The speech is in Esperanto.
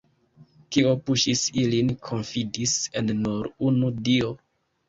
Kio puŝis ilin konfidis en nur unu Dio?